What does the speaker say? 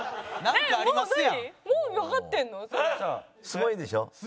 すごいでしょ？